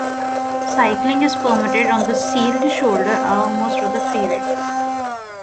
Cycling is permitted on the sealed shoulder along most of the freeway.